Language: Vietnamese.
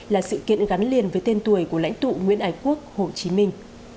là sự kiện gắn liền với tên tuổi của lãnh tụ nguyễn ái quốc hồ chí minh